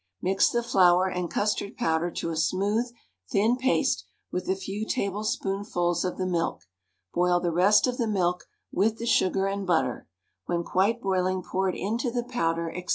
Mix the flour and custard powder to a smooth, thin paste, with a few tablespoonfuls of the milk, boil the rest of the milk with the sugar and butter; when quite boiling pour it into the powder, &c.